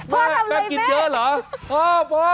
แม่กินเยอะเหรอพ่อพ่อ